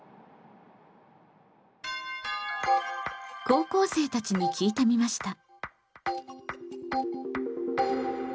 高校生たちに聞いてみました。